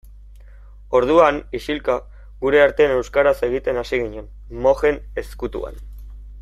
Orduan, isilka, gure artean euskaraz egiten hasi ginen, mojen ezkutuan.